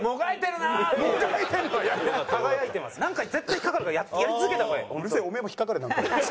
なんか絶対引っかかるからやり続けた方がいい。